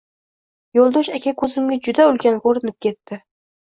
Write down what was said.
Yo’ldosh aka ko’zimga juda ulkan ko’rinib ketdi.